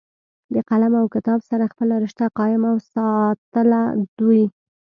د قلم او کتاب سره خپله رشته قائم اوساتله دوي